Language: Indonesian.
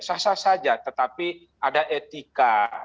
sah sah saja tetapi ada etika